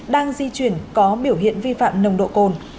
đang di chuyển có biểu hiện vi phạm nồng độ cồn